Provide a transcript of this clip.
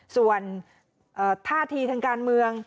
ส่วนธ่าทีขึ้นกันเมือง